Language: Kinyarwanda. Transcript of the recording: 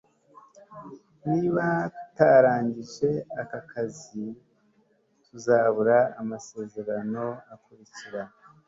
niba tutarangije aka kazi, tuzabura amasezerano akurikira